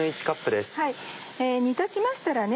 煮立ちましたらね